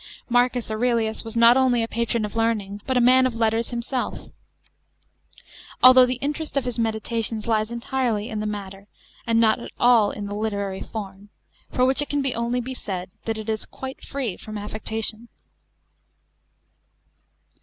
MARCUS AURELIUS was not only a patron of learning, but a man of letters himself,* although the interest of his Meditations lies entirely in the matter, and not at all in the literary form, for which it can only be said that it is quite free from affectation.